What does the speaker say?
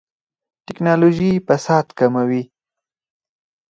ټکنالوژي فساد کموي